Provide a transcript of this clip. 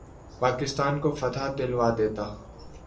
پاکستان کو فتح دلوا دیتا